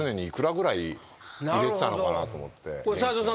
斎藤さん